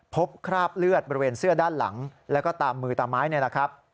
คราบเลือดบริเวณเสื้อด้านหลังแล้วก็ตามมือตามไม้นี่แหละครับ